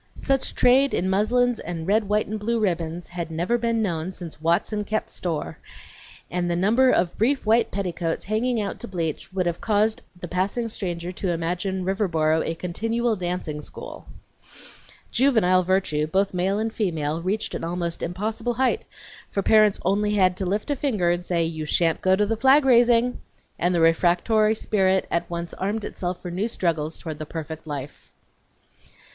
Such trade in muslins and red, white, and blue ribbons had never been known since "Watson kep' store," and the number of brief white petticoats hanging out to bleach would have caused the passing stranger to imagine Riverboro a continual dancing school. Juvenile virtue, both male and female, reached an almost impossible height, for parents had only to lift a finger and say, "you shan't go to the flag raising!" and the refractory spirit at once armed itself for new struggles toward the perfect life. Mr.